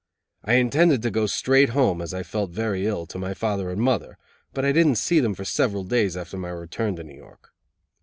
I intended to go straight home, as I felt very ill, to my father and mother, but I didn't see them for several days after my return to New York.